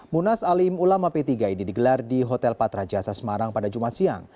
munas alim ulama p tiga ini digelar di hotel patra jasa semarang pada jumat siang